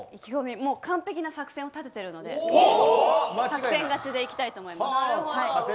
完璧な作戦を立ててるので作戦勝ちでいきたいと思います。